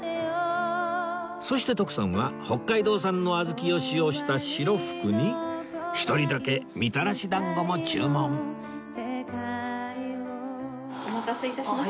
そして徳さんは北海道産の小豆を使用した白福に一人だけみたらし団子も注文お待たせ致しました。